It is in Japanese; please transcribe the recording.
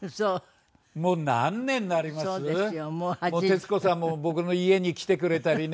徹子さんも僕の家に来てくれたりね。